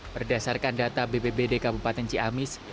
berdasarkan data bpbd kabupaten ciamis